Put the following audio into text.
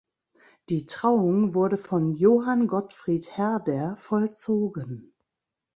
Die Trauung wurde von Johann Gottfried Herder vollzogen.